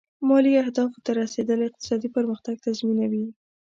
مالي اهدافو ته رسېدل اقتصادي پرمختګ تضمینوي.